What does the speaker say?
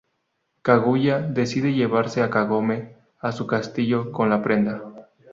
Kaguya decide llevarse a Kagome a su castillo con la prenda.